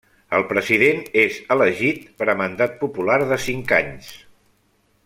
El president és elegit per mandat popular de cinc anys.